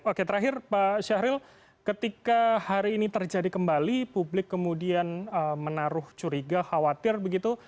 oke terakhir pak syahril ketika hari ini terjadi kembali publik kemudian menaruh curiga khawatir begitu